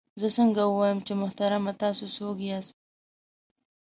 زه څنګه ووایم چې محترمه تاسې څوک یاست؟